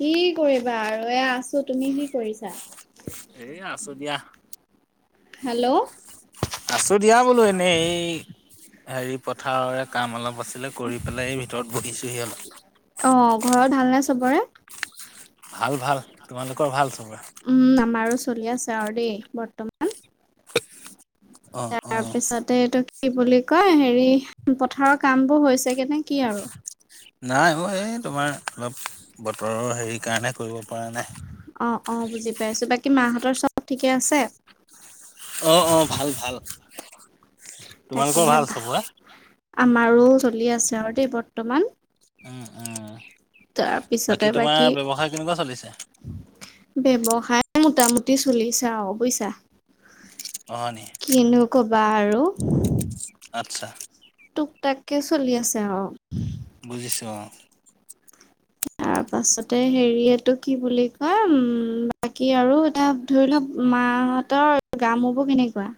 কি কৰিবা আৰু এয়া আছো, তুমি কি কৰিছা? এ আছো দিয়া। হেল্ল' আছো দিয়া বোলো এনেই এই। হেৰি পথাৰৰে কাম অলপ আছিলে কৰি পেলাই এই ভিতৰত বহিছোহি অলপ। অ ঘৰত ভালনে চবৰে ভাল ভাল তোমালোকৰ ভাল চবৰে? উম আমাৰো চলি আছে আৰু দেই বৰ্তমান। অ অ তাৰ পিছতে এইটো কি বুলি কয় হেৰি পথাৰৰ কাম বোৰ হৈছে গে নে? নাই অ এই তোমাৰ অলপ বতৰৰ হেৰি কাৰণে কৰিবব অ অ বুজি পাইছো বাকী মাহঁতৰ চব ঠিকে আছে? তোমালোকৰও তাকেহে ভাল চবৰে? আমাৰো চলি আছে আৰু দেই বৰ্তমান। উ অ। তাৰপিছতে বাকী চলিছে ব্যবসায় মোটামুটি চলিছে আও বুইছা অ হয় নি কিনো কবি বাৰু। আচ্ছা। একে চলি আছে আৰু। বুজিচো অ। [unintelligible] তাৰ পাছতে হেৰিয়টো কি বুলি কয় উম বাকী আৰু এটা ধৰি লোৱা মা। তাহতৰ গা মবোৰ কেনেকুৱা?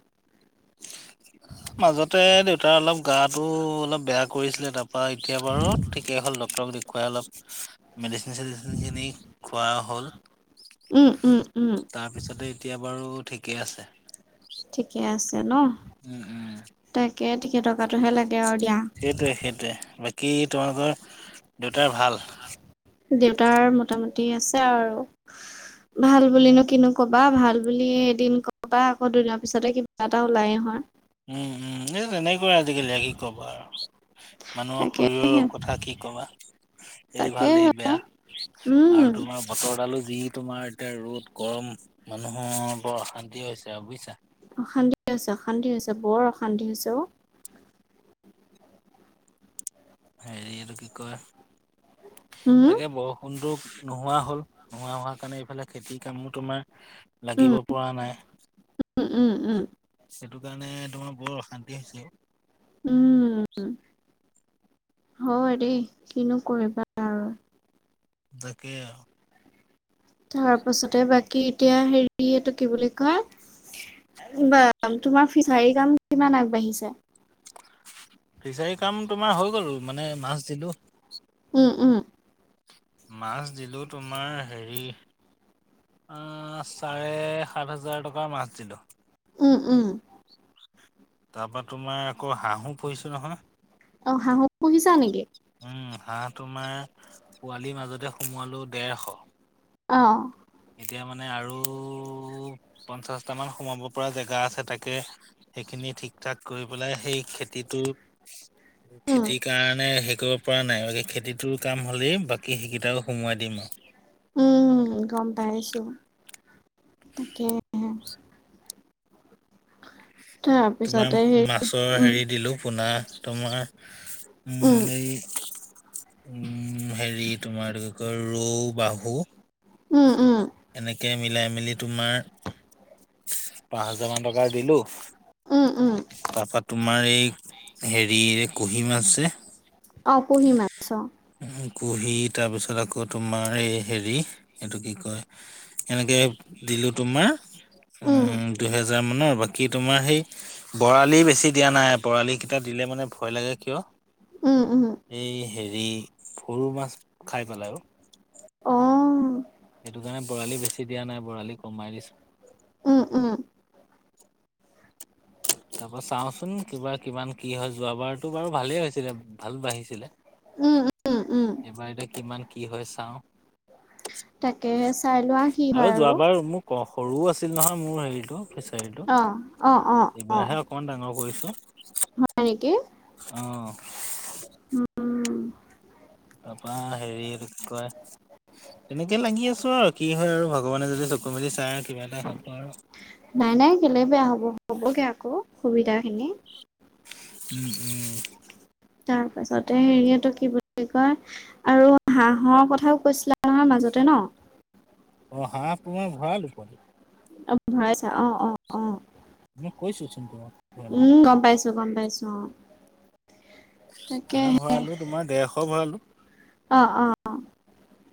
[unintelligible] মাজতে দেউতাৰ অলপ গাটো অলপ বেয়া কৰিছিলে তাৰপা এতিয়া বাৰু ঠিকেই হ'ল ডটৰক দেখোৱা। খুৱাই অলপ মেডিচিন চেডিচিনখিনি খোৱা হ'ল। উম উম উম তাৰপিছতে এতিয়া বাৰু ঠিকেই আছে। ঠিকে আছে। ন উম, উম, তাকে থিকে টকাটোহে লাগে আৰু দিয়া। সেইটোৱে সেইটোৱে বাকী তোমালোকৰ দেউতাৰ ভাল। দেউতাৰ মোটামুটি আছে আৰু। ভাল বুলিুলিনো কিনো কবা ভাল বুলি এদিন কবা আকৌ দুদিনৰ পিছতে কিবা এটা ওলাই হয়। উম উম এই তেনেকুৱা আজিকালি কি ক'বা আৰু। মানুহৰ তাকেহে শৰীৰৰ কথা কি কবা। এই ভাল তাকেহে এই বেয়া আৰু উম তোমাৰ বতৰডালো। যি তোমাৰ এতিয়া ৰ'দ গৰম মানুহৰ বৰ অশান্তি হৈছে আৰু বুজিছা। অশান্তি হৈছে অশান্তি হৈছে বৰ অশান্তি হৈছে অ। হেৰি এইটো কি কয় উম তাকে বৰষুণটো। নোহোৱা হ'ল নোহোৱা হোৱাৰ কাৰণে এইফালে খেতিৰ কামো তোমাৰ। উম লাগিব পৰা নাই উম উম উম সেইটো। স কাৰণে তোমাৰ বহুত অশান্তি হৈছে। উম। হয় দেই কিনো কৰিবা আৰু। দাকো। তাৰ পাছতে বাকী এতিয়া হেৰি এইটো কি বুলি কয়। বা তোমাৰ ফিচাৰী কাম কিমান আগবাঢ়িছে। ফিচাৰী কাম তোমাৰ হৈ গ'ল মানে মাছ দিলো। উম উম। মাছ দিলো তোমাৰ হেৰি। আহ চাৰে সাত হাজাৰ টকা মাছ দিলো। উওম উম। তাৰপৰা তোমাৰ আকৌ হাঁহো পুহিছো নহয়। অ হাহু পুহিছা নেকি? উম হাঁহ তোমাৰ, পোৱালিৰ মাজতে সোমোৱালো দেৰশ। অ। এতিয়া মানে আৰু পঞ্চাছটামান সোমাব পৰা জেগা আছে তাকে সেইখিনিত। ঠিক ঠাক কৰি পেলাই সেই খেতিটোৰ, উম, খেতিৰ কাৰণে। কৰিব পৰা নাই বাকী খেতিটোৰ কাম হ'লেই বাকী সেইকেইটা সোমোৱাই দিম আৰু। উম গম পাইছো। তাকাকে। তোমাৰ মাছৰ হেৰি দিলোঁ পোনা তোমাৰ। উম এই। উম হেৰি তোমাৰ কি কয় ৰৌ বাহু। উম উম। এনেকে মিলাই মেলি তোমাৰ পাঁচ হাজাৰ মান টকা দিলো। উম উম। তাৰপা তোমাৰ এই হেৰিৰে কুহিমাছছে। অ পুহি মাছ। উম। কুহি তাৰপিছত আকৌ তোমাৰ এই হেৰি, এইটো কি কয় এনেকে। দিলো তোমাৰ। উম দুহেজাৰ মানৰ বাকী তোমাৰ সেই, বৰালি বেছি দিয়া নাই বৰালি কেইটা দিলে মানে ভয় লাগে কিয়, উম, উম, এই হেৰি। সৰু মাছ খাই পেলাই আৰু। অ', সেইটো কাৰণে বৰালি বেছি দিয়া নাই বৰালি কমাই দিছো। উম উম। [unintelligible] তাৰপা চাওঁচোন কিবা কিমান কি হয় যোৱাবাৰতো বাৰু ভালেই হৈছিলে ভাল বাঢ়িছিলে। উম, উম, উম, এইবাৰ এতিয়া কিমান কি হয় চাওঁ। তাকেহে চাই লোৱা কি আৰু হয় যোৱাবাৰ মোক। সৰুও আছিল নহয় মোৰ হেৰিটো ফিচাৰীটো অ', অ', অ', অ', এইবাৰহে অকমান ডাঙৰ কৰিছো। হয় নেকি? অ। উম, তাৰপৰা হেৰি কয়। তেনেকে লাগি আছো আৰু কি হয় আৰু ভগৱানে যদি চকু মেলি চাই। কিবা এটা হ'ব আৰু নাই নাই কেলে বেয়া হ'ব হ'বগে আকৌ সুবিধা খিনি। উ এ। তাৰ পাছতে হেৰিয়েটো কি বুলি কয় আৰু হাঁহৰ কথাও কৈছিলা নহয় মা জতে ন [inaudible] অঁ হাঁহ তোমাৰ ভৰালো অ ভৰাইছা অ-অ-অ মই কৈছো উম গম পাইছো গম পাইছো অ। হাঁহ ভৰালো তোমাৰ দেৰশ ভৰালো অ-অ-অ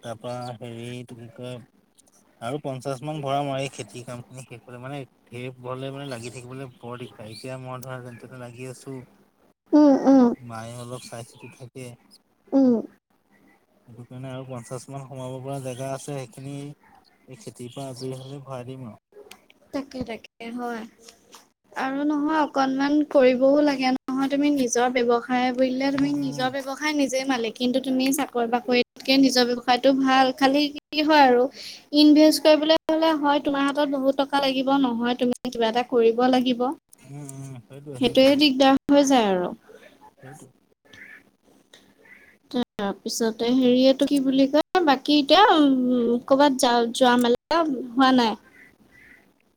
তাৰপৰা হেৰিত কি কয় আৰু পঞ্চাশ মান ভৰাম আৰু এই খেতিৰ কামখিনি শেষ কৰি মানে ঢেৰ হলে মানে লাগি থাকিবলৈ বৰ দিগদাৰ এতিয়া মই ধৰা লাগি আছো। উম, উম, মায়ে অলপ চাই-চিতি থাকে। উম সেইটো কাৰণে আৰু প ঞ্চাশ সোমাব পৰা জেগা আছে সেইখিনি এই খেতিৰ পৰা আজৰি হলে ভৰাই দিম আও। তাকে-তাকে হয় আৰু নহয় অকনমান কৰিবও লাগে নহয় তুমি নিজৰ ব্যৱসায় বুলিলে উম তুমি নিজৰ উম ব্যৱসায় নিজে মালিক কিন্তু তুমি চাকৰি-বাকৰিকে নিজৰ ব্যৱসায়টো ভাল খালি কি হয় আৰু ইনডো বিচনেজ কৰিবলৈ হলে হয় তোমাৰ হাতত বহুত ট কা লাগিব নহয় তুমি কিবা এটা কৰিব লাগিব উম উম সেইটোৱে সেইটোৱেই সেইটোৱে দিগদাৰ হয় যায় আৰু [unintelligible] তাৰপিছতে হেৰি এইটো কি বুলি কয় বাকী এতিয়া উম ক'ৰবাত য-যাম মানে হোৱা নাই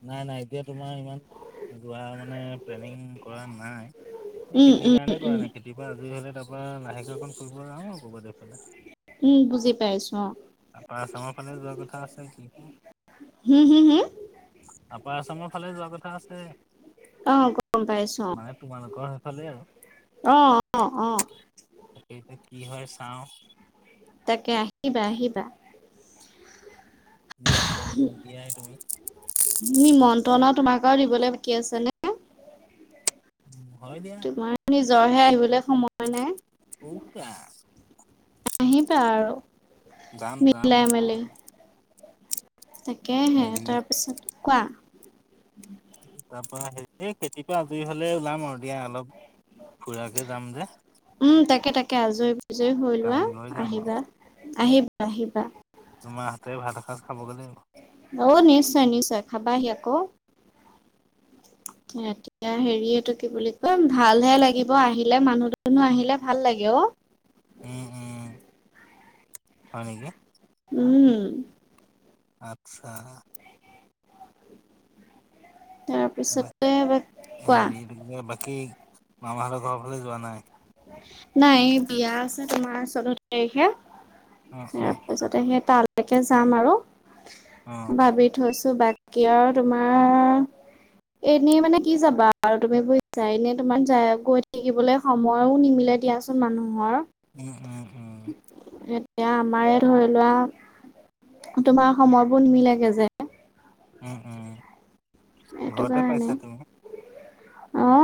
নাই-নাই এতিয়া তোমাৰ ইমান যোৱা মানে প্লেনিং কৰা নাই এই উম খেতিৰ উম কাৰণে কৰা উম নাই খেতিৰ পৰা আজৰি হ'লে তাৰপৰা লাহে কে ফুৰিব যাওঁ হব দে উম বুজি পাইছো। অ তাৰপা আছামৰ ফালে যোৱা কথা আছে কি হম হম হম আপাৰ আচামৰ ফালে যোৱা কথা আছে। অহ গম পাইছো মানে তোমালোকৰ সেইফালে আৰু অহ অহ অহ তাকেই কি হয় চাওঁ তাকে আহিবা-আহিবা নিমন্ত্ৰণটো নিদিয়াই তুমি নিমন্ত্ৰণ আও তোমাক আৰু দিবলৈ বাকী আছে নে? উম তোমাৰ নিজৰহে আহিবলৈ সময় নাই উ বা আহিবা আৰু যাম যাম অ মিলাই কিয় মেলি। নাযাম তাকেহে। হেৰি তাৰপিছত, কোৱা। তাৰপৰা হে [unintelligible] খেতিৰ পৰা আজৰি হ'লে ওলাম আৰু দিয়া। অলপ ফুৰাকে যাম যে উম তাকে তাকে। আজৰি-বিজৰি হৈ লোৱা। টাইম লৈ যাম আৰু আহিবা। আহিবা আহিবা। তোমাৰ হাতে ভাত এসাঁজ খাবগৈ লাগিব অ' নিশ্চয় নিশ্চয় খাবাহি আকৌ! [inaudible] এতিয়া হেৰি এটো কি বুলি কয়, ভালহে লাগিব আহিলে, মানুহ-দুনুহ আহিলে ভাল লাগে অ। উম, উম। হয় নেকি? উম! আচ্ছা। [unintelligible] তাৰপিছতে কোৱা হেৰি এইটো কি কয়, বাকী মামাহঁতৰ ঘৰৰ ফালে যোৱা নাই? নাই বিয়া আছে। তোমাৰ চৈধ তাৰিখে। অ অ তাৰপিছতে সেই তালে তাকে যাম আৰু। অ ভাবি থৈছো বাক কি আৰু তোমাৰ এনেই মানে কি যাবা আৰু, তুমি বুজিছা এনেই তোমাৰ গৈ থাকিবলৈ সময় আৰু নিমিলে দিয়াচোন মানুহৰ! উম উম উম। এতিয়া আমাৰে ধৰি লোৱা, তোমাৰ সময়বোৰ নিমিলেগে যে! উম উম। সেইটো ঘৰতে কাৰণে পাইছা তুমি?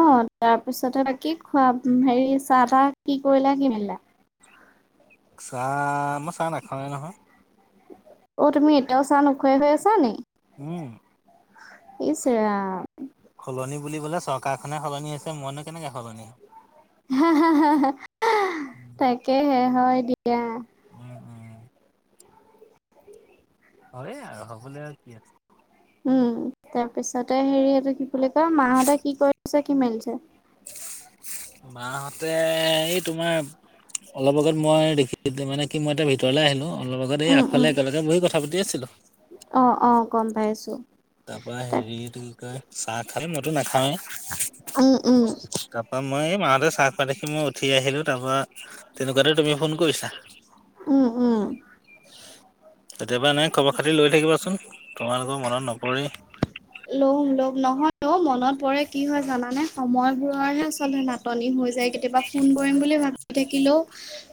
অ' তাৰপিছতে বাকী খোৱা, হেৰি চাহ-তাহ কি কৰিলা কি মেলিলা? চাহ মই চাহ নাখাওয়ে নহয়! অ' তুমি এতিয়াও চাহ নোখাৱাই হৈ আছা নি? উম। ইছ ৰাম। সলনি বুলিবলে চৰকাৰখনে সলনি হৈছে। মইনো কেনেকে সলনি হ'ম! হা হা হা হা। হ'ম। তাকেহে হয় দিয়া। উম উম। হয় আৰু। হ'বলৈ আৰু কি আছে। উম, তাৰ পিছতে হেৰি এইটো কি বুলি কয়, মাহঁতে কি কৰিছে কি মেলিছে? [inaudible] মাহঁতে এই তোমাৰ অলপ আগত মই দেখি, মানে কি মই এতিয়া ভিতৰলে আহিলো। অলপ আগত এই উম, আগফালে উম, একেলগে বহি কথা পাতি আছিলো। অ', অ', গম পাইছো তাৰ পৰা তাক হেৰি, এইটো কি কয় চাহ খালে মইতো নাখাওৱেই। উম উম। মই এই মাহঁতে চাহ খোৱা দেখি মই উঠি আহিলোঁ। তাৰপৰা তেনেকুৱাতে তুমি ফোন কৰিছা। উম উম। কেতিয়াবা এনেকে খবৰ-খাতি লৈ থাকিবাচোন। তোমালোকৰ মনত ন ল'ম ল'ম। নহয় অ'। মনত পৰে কি হয় জানা? মানে সময়বোৰৰহে আচলতে নাটনি হৈ যায়। কেতিয়াবা ফোন কৰিম বুলি ভাবি থাকিলেও,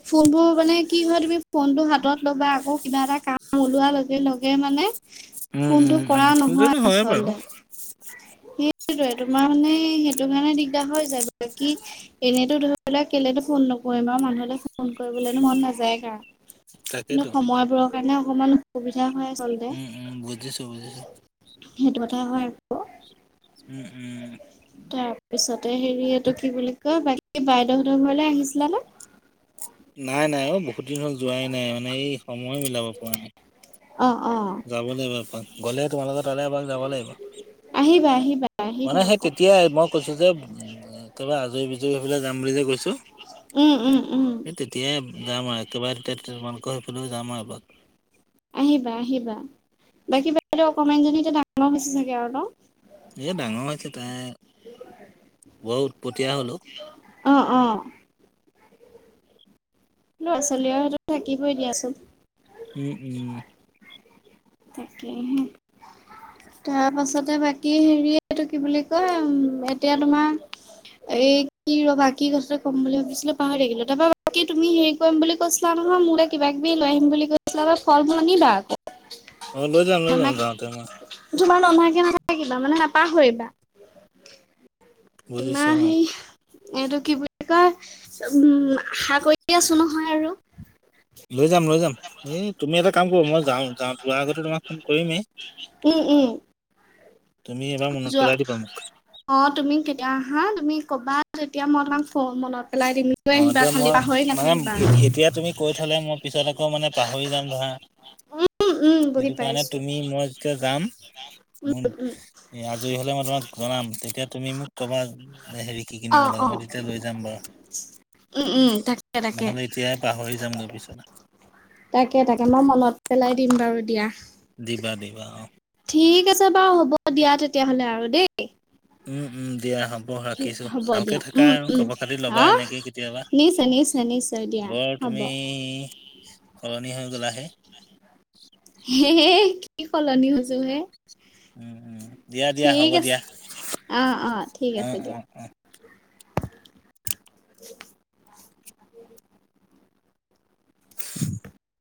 ফোনবোৰ মানে কি হয়, তুমি ফোনটো হাতত ল'বা আকৌ কিবা এটা কাম ওলোৱা লগে লগে মানে, উম, ফোনটো উম, উম, কৰা নহয় সেইটোতো হয়ে বাৰু আচলতে! সেইটোয়ে, তোমাৰ মানে সেইটো কাৰণে দিগদাৰ হৈ যায়। বাকী, এনেতো ধৰি লোৱা কেলে ফোন নকৰিম আৰু! মানুহলে ফোন কৰিবলেনো মন নাযায় কাৰ? কিন্তু তাকেতো সময়বোৰৰ কাৰণে অকমান অসুবিধা হয়। আচলতে উম উম, বুজিছো বুজিছো। সেইটো কথাই হয় আক! উম উম। তাৰপিছতে হেৰি এইটো কি বুলি কয়, বাকী বাইদেউহঁতৰ ঘৰলে আহিছিলানে? নাই নাই অ বহুত দিন হল যোৱাই নাই মানে এই সময় মিলাব পৰা নাই। অ অ যাব লাগিব এপাক, গ'লে তোমাৰ লগত তালে এপাক যাব লাগিব। আহিবা আহিবা আহিবা মানে সেই আকৌ তেতিয়াই মই কৈছো যে উম তবাৰে আজৰি হৈ পেলাই যাম বুলি যে কৈছো উম উম উম এই তেতিয়াই যাম আৰু একেবাৰে তে তোমালোকৰ সেইফলেও যাম আও এপাক। আহিবা আহিবা বাকী বাইদে অকমানজনী এতিয়া ডাঙৰ হৈছে চাগে আৰু ন? এ ডাঙৰ হৈছে তাই বৰ উৎপটীয়া হ'ল ঔ। অ অ। ল'ৰা ছোৱালী হাতত থাকিবই দিয়াচোন। উম উম। তাকেহে। তাৰ পাছতে বাকী হেৰিটো কি বুলি কয় উম এতিয়া তোমাৰ এ কি ৰ বাক কি কথাটো কম বুলি ভাবিছিলো পাহৰি থাকিলো তাৰপা বাকী তুমি হেৰি কৰিম বুলি কৈছিলা। নহয় মোৰে কিবা কিবি লৈ আহিম বুলি কৈছিলে আাৰ ফল মল আনিবা আকৌ। অ লৈ যাম লৈ নানা যাম যাহতো। তোমাৰ নধাকে নাথাকিবা মানে নাপাহৰিবা। তোৰ বুজিছো অ সেই। এইটো কি বুলি কয়, উম আশা কৰিয় আছো নহয় আৰু। লৈ যাম লৈ যাম এ তুমি এটা কাম কৰো মই যাওঁ যাওঁ যোৱাৰ আগতে তোমাক ফোন কৰিম এই। উম উম। তুমি এবাৰ মনত যোৱা, পেলাই দিবা মোক অ তুমি কেতিয়া আহা তুমি কবা তেতিয়া মই তোমাক। ফ মনত পেলাই দিম লৈ অ আহিবা এয়া খালি মই পাহৰি মানে নাথাকিবা এতিয়া তুমি কৈ থলে মই পিছত আকৌ মানে পাহৰি। যাম ধৰা, উম উম বুজি সেইটো কাৰণে পাইছো তুমি মই যেতিয়া যাম। মোৰ আজৰি হলে মই তোমাক জনাম তেতিয়া তুমি মোক কবা হেৰি কি অ কিনিব লাগ। ত অ এতিয়া লৈ যাম, বাৰু উম উম তাকে তাকে নহলে এতিয় পাহৰি যাম গৈ পিছত। তাকে তাকে মই মনত পেলাই দিম বাৰু দিয়া। দিবা দিবা অ। ঠিক আছে বাৰু হ'ব দিয়া তেতিয়াহ'লে আৰু দেই। উম উম দিয়া হ'ব। হব ৰাখিছোঁ হ'ব ভালকৈ দিয়া থাকা উম আৰু উম খবৰ খাতি ল'বা অ এনেকেই কেতিয়াবা নিশ্চয় নিশ্চয় নিশ্চয় দিয়া বৰ। হ'ব তুমি, সলনি হৈ গ'লাহে। হে কি সলনি হৈছো হে। উম, উম, দিয়া দিয়া ঠিক হ'ব আছে, দিয়া অ অ ঠিক আছে অ', দিয়া। অ', অ'। উ। [unintelligible]